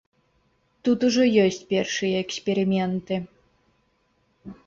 Тут ужо ёсць першыя эксперыменты.